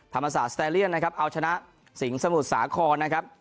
ธรรมศาสตร์สเตรเลียนนะครับเอาชนะสิงห์สมุทรสาครนะครับ